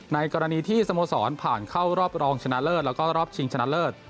ในกรณีที่สโมสรผ่านเข้ารอบรองชนะเลิศแล้วก็รอบชิงชนะเลิศ